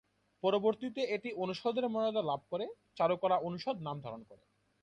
পরবর্তীতে এটি অনুষদের মর্যাদা লাভ করে, চারুকলা অনুষদ নাম ধারণ করে।